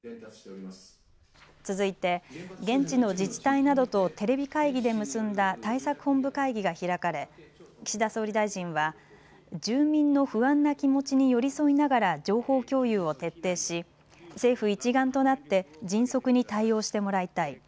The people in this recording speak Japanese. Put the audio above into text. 続いて現地の自治体などとテレビ会議で結んだ対策本部会議が開かれ岸田総理大臣は住民の不安な気持ちに寄り添いながら情報共有を徹底し政府一丸となって迅速に対応してもらいたい。